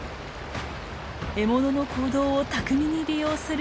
獲物の行動を巧みに利用するキツネ。